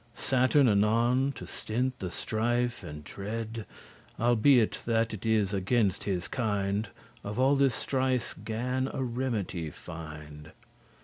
*outwit Saturn anon, to stint the strife and drede, Albeit that it is against his kind,* *nature Of all this strife gan a remedy find.